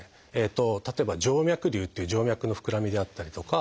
例えば「静脈瘤」っていう静脈の膨らみであったりとか